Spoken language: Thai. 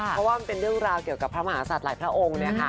เพราะว่ามันเป็นเรื่องราวเกี่ยวกับพระมหาศัตว์หลายพระองค์